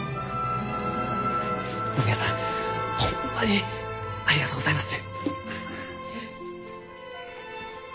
野宮さんホンマにありがとうございます。